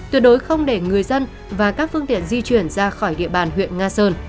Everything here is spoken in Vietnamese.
tuyệt đối không để người dân và các phương tiện di chuyển ra khỏi địa bàn huyện nga sơn